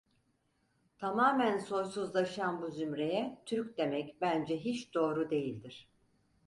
Tamamen soysuzlaşan bu zümreye Türk demek bence hiç doğru değildir.